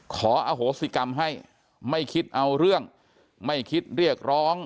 ขออโหสิกรรมให้ไม่คิดเอาเรื่องไม่คิดเรียกร้อง